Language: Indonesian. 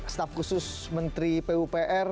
staf khusus menteri pupr